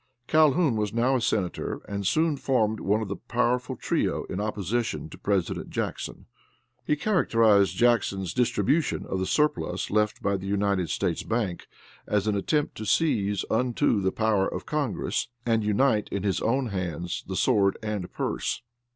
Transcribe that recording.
Calhoun was now a senator and soon formed one of the powerful trio in opposition to president Jackson. He characterized Jackson's distribution of the surplus left by the United States bank as an attempt to seize onto the power of Congress and unite, in his own hands, the sword and purse.